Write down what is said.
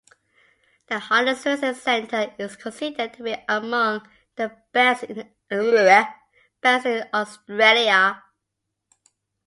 The Harness Racing centre is considered to be among the best in Australia.